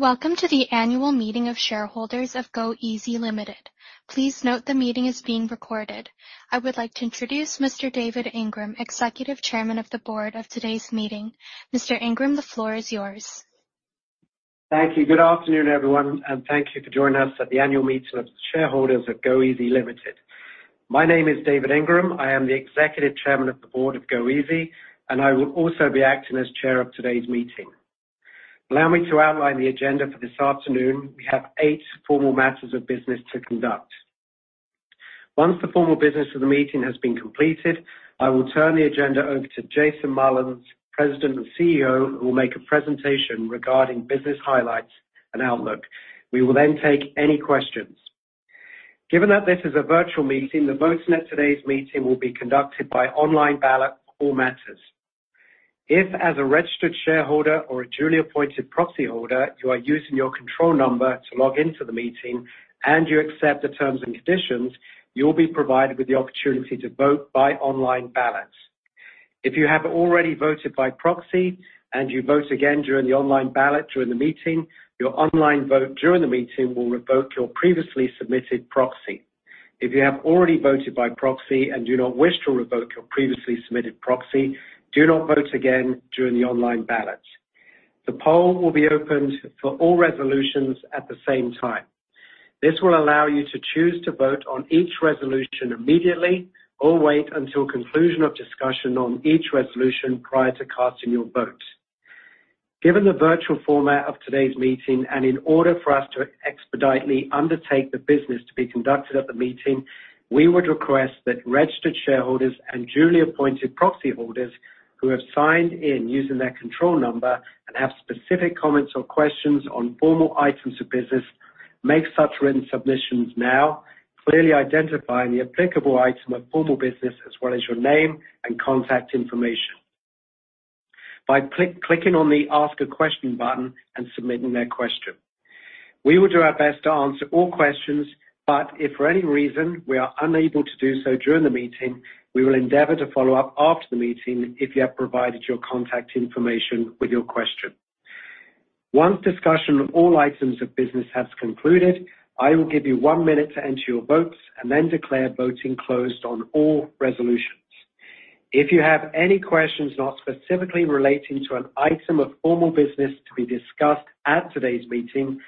Welcome to the annual meeting of shareholders of Goeasy Ltd. Please note the meeting is being recorded. I would like to introduce Mr. David Ingram, Executive Chairman of the Board of today's meeting. Mr. Ingram, the floor is yours. Thank you. Good afternoon, everyone, and thank you for joining us at the annual meeting of the shareholders of Goeasy Ltd. My name is David Ingram. I am the Executive Chairman of the Board of Goeasy, and I will also be acting as Chair of today's meeting. Allow me to outline the agenda for this afternoon. We have eight formal matters of business to conduct. Once the formal business of the meeting has been completed, I will turn the agenda over to Jason Mullins, President and CEO, who will make a presentation regarding business highlights and outlook. We will then take any questions. Given that this is a virtual meeting, the votes in today's meeting will be conducted by online ballot for all matters. If, as a registered shareholder or a duly appointed proxyholder, you are using your control number to log into the meeting and you accept the terms and conditions, you will be provided with the opportunity to vote by online ballot. If you have already voted by proxy and you vote again during the online ballot during the meeting, your online vote during the meeting will revoke your previously submitted proxy. If you have already voted by proxy and do not wish to revoke your previously submitted proxy, do not vote again during the online ballot. The poll will be opened for all resolutions at the same time. This will allow you to choose to vote on each resolution immediately or wait until conclusion of discussion on each resolution prior to casting your vote. Given the virtual format of today's meeting, and in order for us to expeditely undertake the business to be conducted at the meeting, we would request that registered shareholders and duly appointed proxyholders who have signed in using their control number and have specific comments or questions on formal items of business, make such written submissions now, clearly identifying the applicable item of formal business as well as your name and contact information. By clicking on the Ask a Question button and submitting their question. We will do our best to answer all questions, but if for any reason we are unable to do so during the meeting, we will endeavor to follow up after the meeting if you have provided your contact information with your question. Once discussion of all items of business has concluded, I will give you one minute to enter your votes and then declare voting closed on all resolutions. If you have any questions not specifically relating to an item of formal business to be discussed at today's meeting,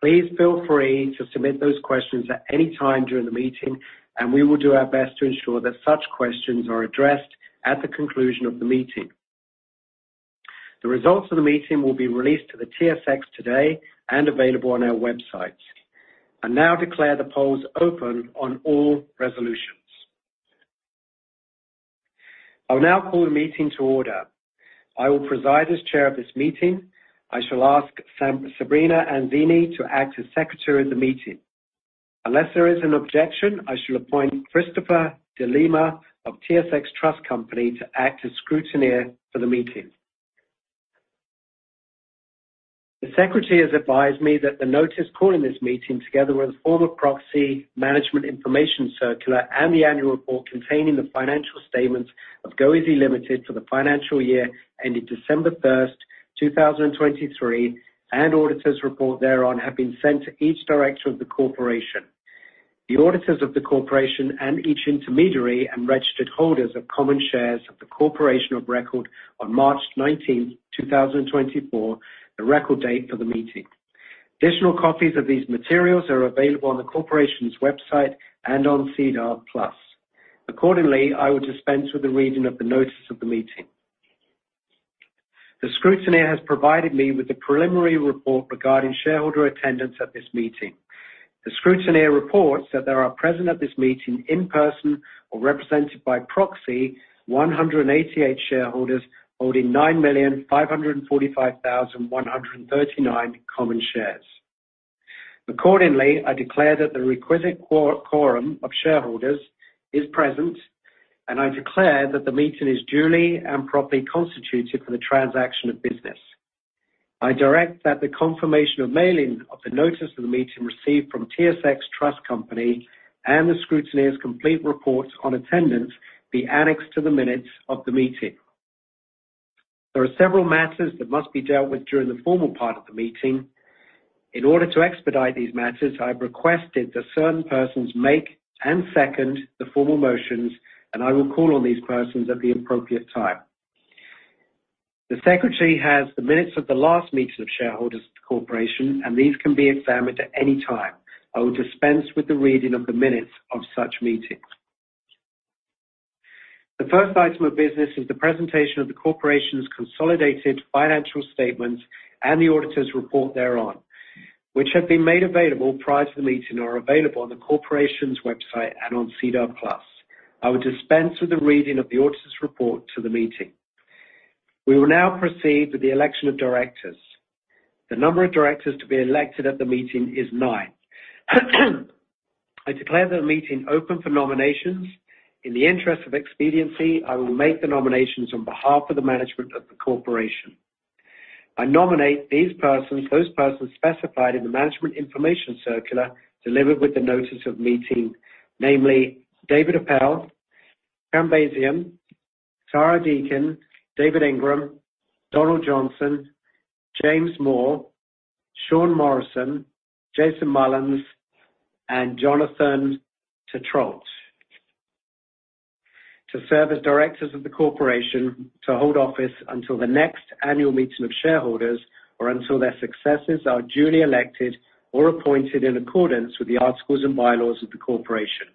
please feel free to submit those questions at any time during the meeting, and we will do our best to ensure that such questions are addressed at the conclusion of the meeting. The results of the meeting will be released to the TSX today and available on our website. I now declare the polls open on all resolutions. I will now call the meeting to order. I will preside as Chair of this meeting. I shall ask Sabrina Anzini to act as Secretary of the meeting. Unless there is an objection, I shall appoint Christopher De Lima of TSX Trust Company to act as scrutineer for the meeting. The Secretary has advised me that the notice calling this meeting, together with the form of proxy, Management Information Circular, and the annual report containing the financial statements of Goeasy Ltd. for the financial year ending December 1, 2023, and auditors' report thereon, have been sent to each director of the corporation, the auditors of the corporation, and each intermediary and registered holders of common shares of the corporation of record on March 19, 2024, the record date for the meeting. Additional copies of these materials are available on the corporation's website and on SEDAR+. Accordingly, I will dispense with the reading of the notice of the meeting. The scrutineer has provided me with a preliminary report regarding shareholder attendance at this meeting. The scrutineer reports that there are present at this meeting, in person or represented by proxy, 188 shareholders holding 9,545,139 common shares. Accordingly, I declare that the requisite quorum of shareholders is present, and I declare that the meeting is duly and properly constituted for the transaction of business. I direct that the confirmation of mailing of the notice of the meeting received from TSX Trust Company and the scrutineer's complete reports on attendance be annexed to the minutes of the meeting. There are several matters that must be dealt with during the formal part of the meeting. In order to expedite these matters, I've requested that certain persons make and second the formal motions, and I will call on these persons at the appropriate time. The Secretary has the minutes of the last meeting of shareholders of the corporation, and these can be examined at any time. I will dispense with the reading of the minutes of such meetings. The first item of business is the presentation of the corporation's consolidated financial statements and the auditor's report thereon, which have been made available prior to the meeting and are available on the corporation's website and on SEDAR+. I will dispense with the reading of the auditor's report to the meeting. We will now proceed with the election of directors. The number of directors to be elected at the meeting is nine. I declare the meeting open for nominations. In the interest of expediency, I will make the nominations on behalf of the management of the corporation. I nominate these persons, those persons specified in the Management Information Circular, delivered with the notice of meeting, namely, David Appel, Karen Basian, Tara Deakin, David Ingram, Donald Johnson, James Moore, Sean Morrison, Jason Mullins, and Jonathan Tétrault, to serve as directors of the corporation, to hold office until the next annual meeting of shareholders, or until their successors are duly elected or appointed in accordance with the articles and bylaws of the corporation.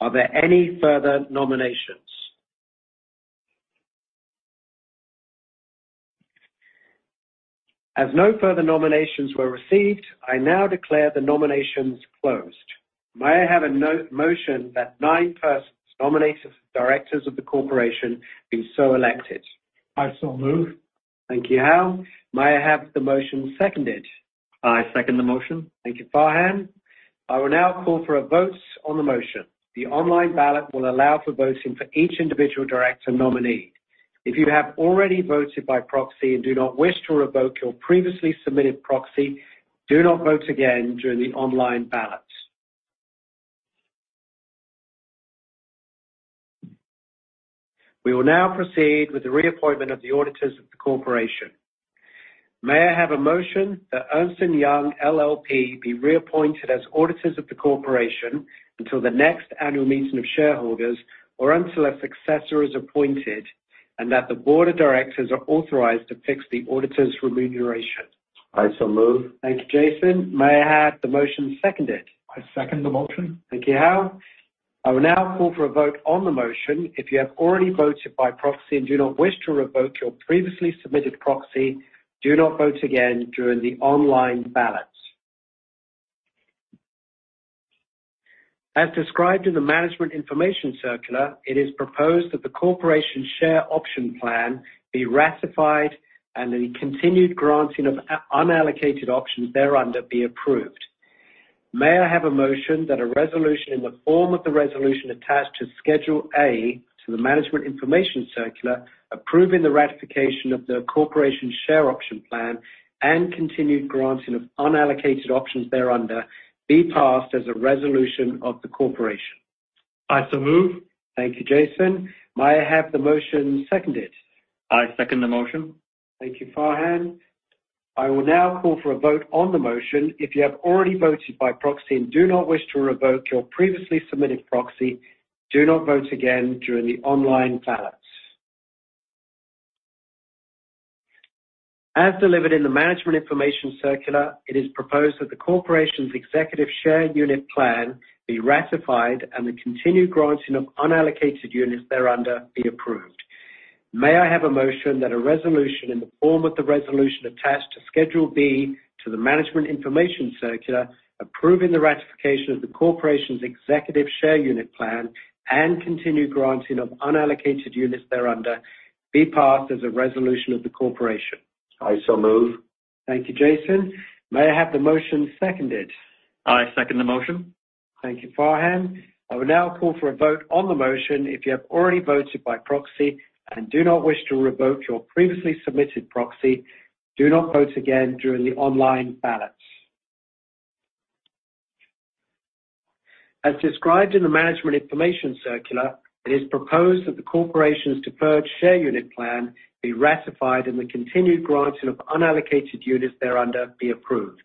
Are there any further nominations? As no further nominations were received, I now declare the nominations closed. May I have a motion that nine persons nominated as directors of the corporation be so elected? I so move. Thank you, Hal. May I have the motion seconded? I second the motion. Thank you, Farhan. I will now call for a vote on the motion. The online ballot will allow for voting for each individual director nominee. If you have already voted by proxy and do not wish to revoke your previously submitted proxy, do not vote again during the online ballot. We will now proceed with the reappointment of the auditors of the corporation. May I have a motion that Ernst & Young LLP be reappointed as auditors of the corporation until the next annual meeting of shareholders, or until a successor is appointed, and that the board of directors are authorized to fix the auditors' remuneration? I so move. Thank you, Jason. May I have the motion seconded? I second the motion. Thank you, Hal. I will now call for a vote on the motion. If you have already voted by proxy and do not wish to revoke your previously submitted proxy, do not vote again during the online ballot. As described in the Management Information Circular, it is proposed that the Corporation Share Option Plan be ratified and the continued granting of unallocated options thereunder be approved. May I have a motion that a resolution in the form of the resolution attached to Schedule A to the Management Information Circular, approving the ratification of the Corporation Share Option Plan and continued granting of unallocated options thereunder, be passed as a resolution of the Corporation? I so move. Thank you, Jason. May I have the motion seconded? I second the motion. Thank you, Farhan. I will now call for a vote on the motion. If you have already voted by proxy and do not wish to revoke your previously submitted proxy, do not vote again during the online ballot. As delivered in the Management Information Circular, it is proposed that the corporation's Executive Share Unit Plan be ratified and the continued granting of unallocated units thereunder be approved. May I have a motion that a resolution in the form of the resolution attached to Schedule B to the Management Information Circular, approving the ratification of the corporation's Executive Share Unit Plan and continued granting of unallocated units thereunder, be passed as a resolution of the corporation? I so move. Thank you, Jason. May I have the motion seconded? I second the motion. Thank you, Farhan. I will now call for a vote on the motion. If you have already voted by proxy and do not wish to revoke your previously submitted proxy, do not vote again during the online ballot. As described in the Management Information Circular, it is proposed that the corporation's Deferred Share Unit Plan be ratified, and the continued granting of unallocated units thereunder be approved.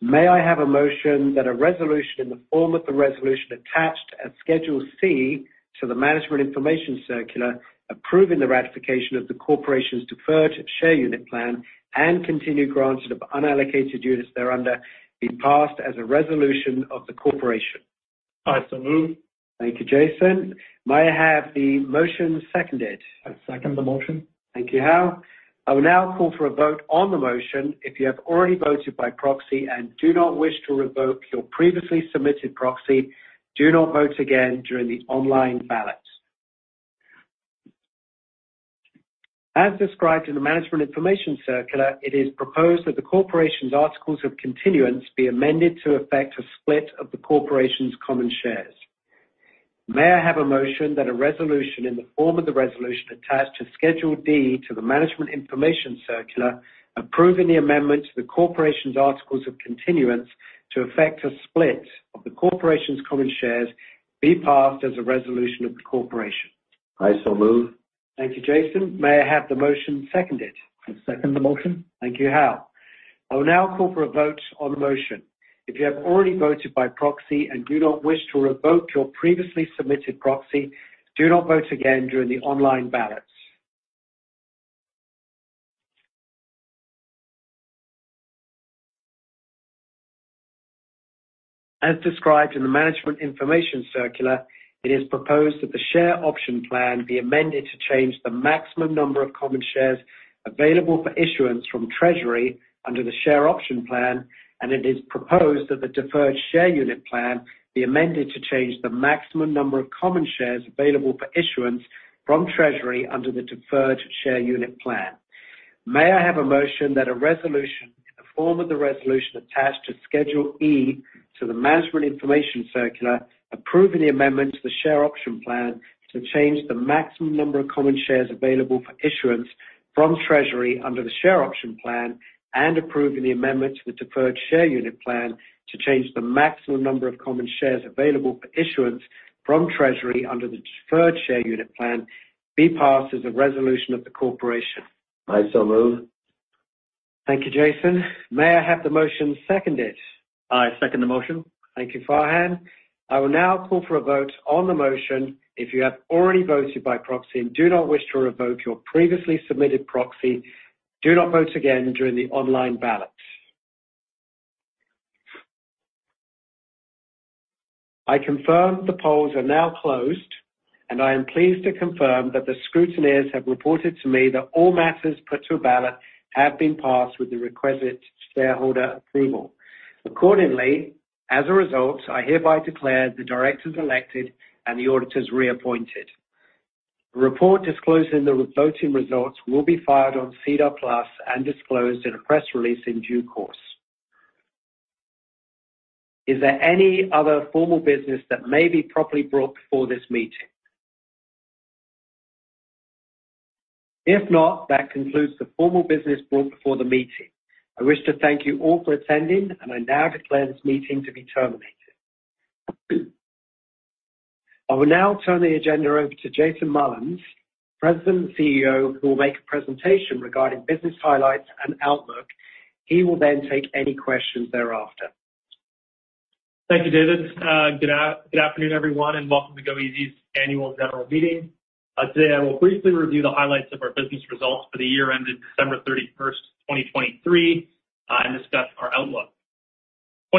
May I have a motion that a resolution in the form of the resolution attached at Schedule C to the Management Information Circular, approving the ratification of the corporation's Deferred Share Unit Plan and continued granting of unallocated units thereunder, be passed as a resolution of the corporation? I so move. Thank you, Jason. May I have the motion seconded? I second the motion. Thank you, Hal. I will now call for a vote on the motion. If you have already voted by proxy and do not wish to revoke your previously submitted proxy, do not vote again during the online ballot. As described in the Management Information Circular, it is proposed that the corporation's Articles of Continuance be amended to effect a split of the corporation's common shares. May I have a motion that a resolution in the form of the resolution attached to Schedule D to the Management Information Circular, approving the amendment to the corporation's Articles of Continuance to effect a split of the corporation's common shares, be passed as a resolution of the corporation? I so move. Thank you, Jason. May I have the motion seconded? I second the motion. Thank you, Hal. I will now call for a vote on the motion. If you have already voted by proxy and do not wish to revoke your previously submitted proxy, do not vote again during the online ballot. As described in the Management Information Circular, it is proposed that the Share Option Plan be amended to change the maximum number of common shares available for issuance from treasury under the Share Option Plan, and it is proposed that the Deferred Share Unit Plan be amended to change the maximum number of common shares available for issuance from treasury under the Deferred Share Unit Plan. May I have a motion that a resolution in the form of the resolution attached to Schedule E to the Management Information Circular, approving the amendment to the Share Option Plan to change the maximum number of common shares available for issuance-... from treasury under the Share Option Plan and approving the amendment to the Deferred Share Unit Plan to change the maximum number of common shares available for issuance from treasury under the Deferred Share Unit Plan, be passed as a resolution of the corporation. I so move. Thank you, Jason. May I have the motion seconded? I second the motion. Thank you, Farhan. I will now call for a vote on the motion. If you have already voted by proxy and do not wish to revoke your previously submitted proxy, do not vote again during the online ballot. I confirm the polls are now closed, and I am pleased to confirm that the scrutineers have reported to me that all matters put to a ballot have been passed with the requisite shareholder approval. Accordingly, as a result, I hereby declare the directors elected and the auditors reappointed. A report disclosing the voting results will be filed on SEDAR+ and disclosed in a press release in due course. Is there any other formal business that may be properly brought before this meeting? If not, that concludes the formal business brought before the meeting. I wish to thank you all for attending, and I now declare this meeting to be terminated. I will now turn the agenda over to Jason Mullins, President and CEO, who will make a presentation regarding business highlights and outlook. He will then take any questions thereafter. Thank you, David. Good afternoon, everyone, and welcome to Goeasy's Annual General Meeting. Today I will briefly review the highlights of our business results for the year ended December 31st, 2023, and discuss our outlook.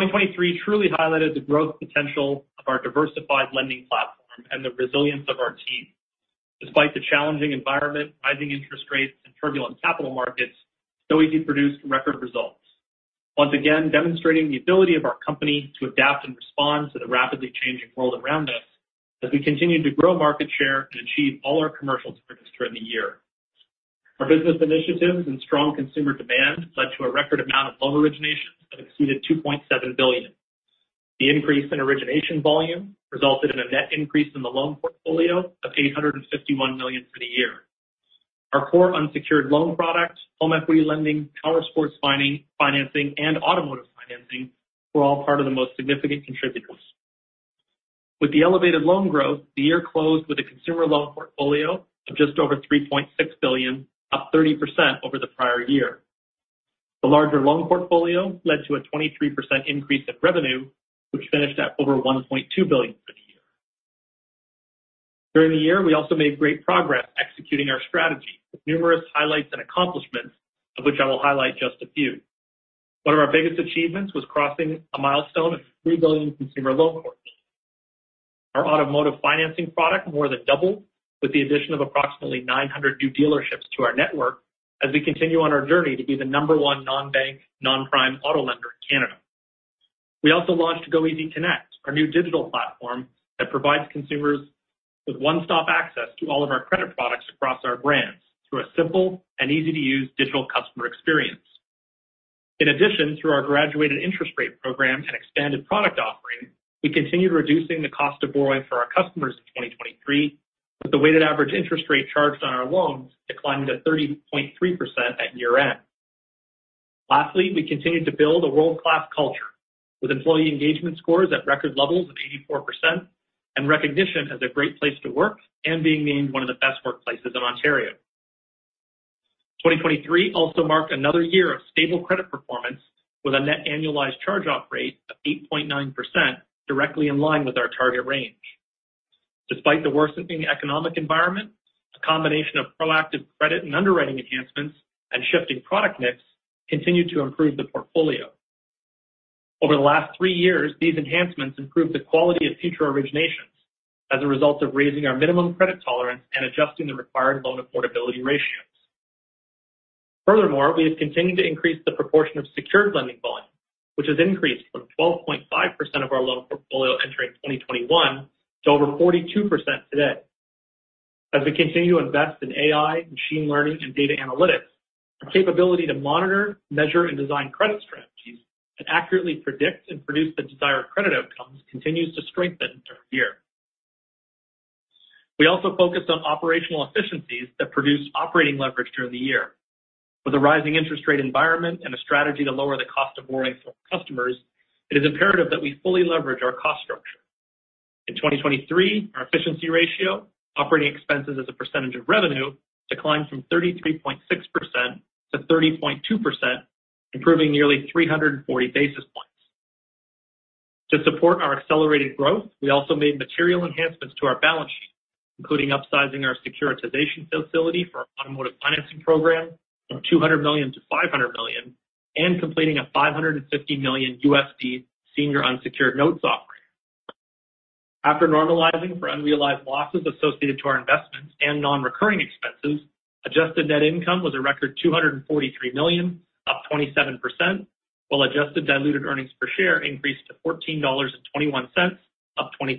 2023 truly highlighted the growth potential of our diversified lending platform and the resilience of our team. Despite the challenging environment, rising interest rates, and turbulent capital markets, Goeasy produced record results, once again demonstrating the ability of our company to adapt and respond to the rapidly changing world around us, as we continued to grow market share and achieve all our commercial targets during the year. Our business initiatives and strong consumer demand led to a record amount of loan originations that exceeded 2.7 billion. The increase in origination volume resulted in a net increase in the loan portfolio of 851 million for the year. Our core unsecured loan products, home equity lending, powersports financing, and automotive financing, were all part of the most significant contributors. With the elevated loan growth, the year closed with a consumer loan portfolio of just over 3.6 billion, up 30% over the prior year. The larger loan portfolio led to a 23% increase in revenue, which finished at over 1.2 billion for the year. During the year, we also made great progress executing our strategy, with numerous highlights and accomplishments, of which I will highlight just a few. One of our biggest achievements was crossing a milestone of 3 billion consumer loan portfolios. Our automotive financing product more than doubled, with the addition of approximately 900 new dealerships to our network, as we continue on our journey to be the number one non-bank, non-prime auto lender in Canada. We also launched Goeasy Connect, our new digital platform that provides consumers with one-stop access to all of our credit products across our brands, through a simple and easy-to-use digital customer experience. In addition, through our graduated interest rate program and expanded product offering, we continued reducing the cost of borrowing for our customers in 2023, with the weighted average interest rate charged on our loans declining to 30.3% at year-end. Lastly, we continued to build a world-class culture, with employee engagement scores at record levels of 84% and recognition as a great place to work and being named one of the best workplaces in Ontario. 2023 also marked another year of stable credit performance, with a net annualized charge-off rate of 8.9%, directly in line with our target range. Despite the worsening economic environment, a combination of proactive credit and underwriting enhancements and shifting product mix continued to improve the portfolio. Over the last three years, these enhancements improved the quality of future originations as a result of raising our minimum credit tolerance and adjusting the required loan affordability ratios. Furthermore, we have continued to increase the proportion of secured lending volume, which has increased from 12.5% of our loan portfolio entering 2021 to over 42% today. As we continue to invest in AI, machine learning, and data analytics, our capability to monitor, measure, and design credit strategies and accurately predict and produce the desired credit outcomes continues to strengthen during the year. We also focused on operational efficiencies that produced operating leverage during the year. With a rising interest rate environment and a strategy to lower the cost of borrowing for customers, it is imperative that we fully leverage our cost structure. In 2023, our efficiency ratio, operating expenses as a percentage of revenue, declined from 33.6% to 30.2%, improving nearly 340 basis points. To support our accelerated growth, we also made material enhancements to our balance sheet, including upsizing our securitization facility for our automotive financing program from 200 million to 500 million, and completing a $550 million USD senior unsecured note offering. After normalizing for unrealized losses associated to our investments and non-recurring expenses, adjusted net income was a record 243 million, up 27%, while adjusted diluted earnings per share increased to 14.21 dollars, up 23%.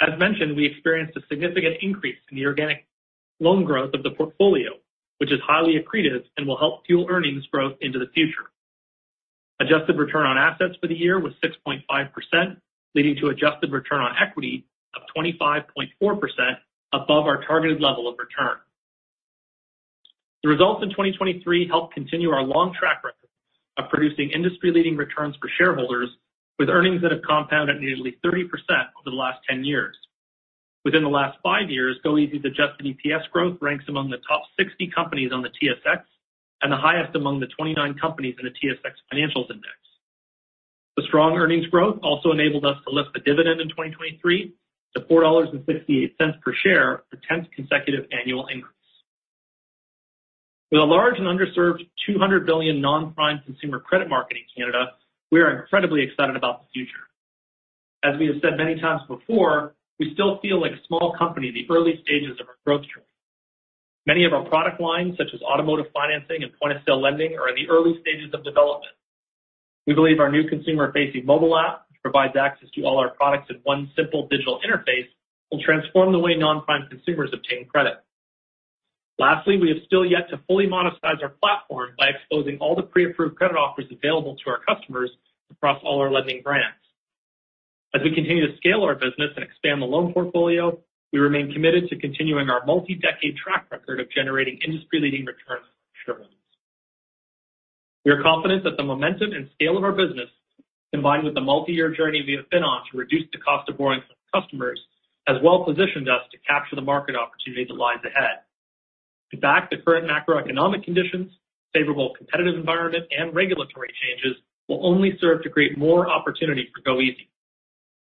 As mentioned, we experienced a significant increase in the organic loan growth of the portfolio, which is highly accretive and will help fuel earnings growth into the future. Adjusted return on assets for the year was 6.5%, leading to adjusted return on equity of 25.4% above our targeted level of return. The results in 2023 helped continue our long track record of producing industry-leading returns for shareholders, with earnings that have compounded nearly 30% over the last 10 years. Within the last five years, Goeasy's adjusted EPS growth ranks among the top 60 companies on the TSX and the highest among the 29 companies in the TSX Financials Index. The strong earnings growth also enabled us to lift the dividend in 2023 to 4.68 dollars per share, the tenth consecutive annual increase. With a large and underserved 200 billion non-prime consumer credit market in Canada, we are incredibly excited about the future. As we have said many times before, we still feel like a small company in the early stages of our growth journey. Many of our product lines, such as automotive financing and point-of-sale lending, are in the early stages of development. We believe our new consumer-facing mobile app, which provides access to all our products in one simple digital interface, will transform the way non-prime consumers obtain credit. Lastly, we have still yet to fully monetize our platform by exposing all the pre-approved credit offers available to our customers across all our lending brands. As we continue to scale our business and expand the loan portfolio, we remain committed to continuing our multi-decade track record of generating industry-leading returns for shareholders. We are confident that the momentum and scale of our business, combined with the multi-year journey we have been on to reduce the cost of borrowing for customers, has well-positioned us to capture the market opportunity that lies ahead. In fact, the current macroeconomic conditions, favorable competitive environment, and regulatory changes will only serve to create more opportunity for Goeasy.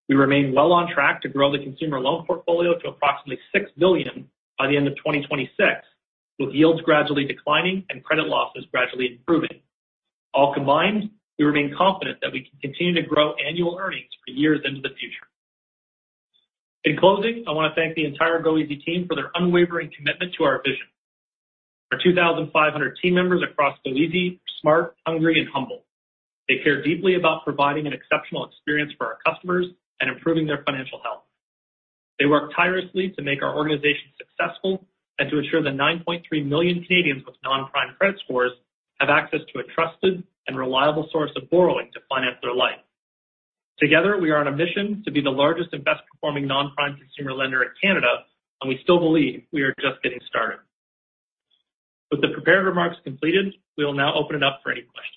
We remain well on track to grow the consumer loan portfolio to approximately 6 billion by the end of 2026, with yields gradually declining and credit losses gradually improving. All combined, we remain confident that we can continue to grow annual earnings for years into the future. In closing, I want to thank the entire Goeasy team for their unwavering commitment to our vision. Our 2,500 team members across Goeasy are smart, hungry, and humble. They care deeply about providing an exceptional experience for our customers and improving their financial health. They work tirelessly to make our organization successful and to ensure the 9.3 million Canadians with non-prime credit scores have access to a trusted and reliable source of borrowing to finance their life. Together, we are on a mission to be the largest and best-performing non-prime consumer lender in Canada, and we still believe we are just getting started. With the prepared remarks completed, we will now open it up for any questions.